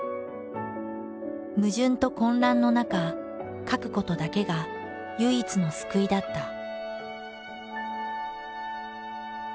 矛盾と混乱の中書くことだけが唯一の救いだった。